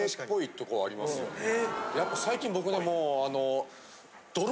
やっぱ最近僕でも。